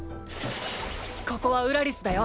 ここはウラリスだよ。